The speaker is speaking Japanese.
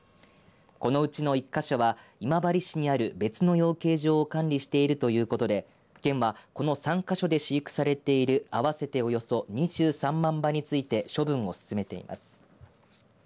このうちの１か所は今治市にある別の養鶏場を管理しているということで県はこの３か所で飼育されている合わせておよそ２３万羽について処分を進めています。